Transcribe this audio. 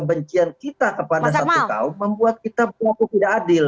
kebencian kita kepada satu kaum membuat kita berlaku tidak adil